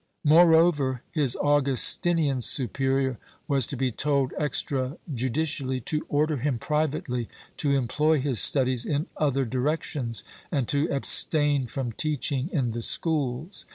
Moreover his Augustinian superior was to be told, extra judicially, to order him privately to employ his studies in other directions and to abstain from teaching in the schools.